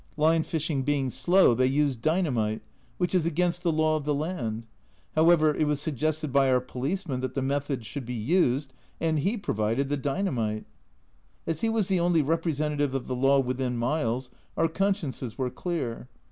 Line fishing being slow, they used dynamite, which is against the law of the land. However, it was suggested by our policeman that the method should be used, and he provided the dynamite ! As he was the only representative of the law within miles, our consciences were clear.